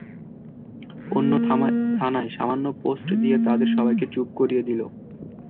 অন্য থানায় সামান্য পোস্ট দিয়ে তাদের সবাইকে চুপ করিয়ে দিলো।